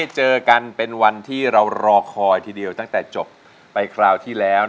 เจอกันเป็นวันที่เรารอคอยทีเดียวตั้งแต่จบไปคราวที่แล้ว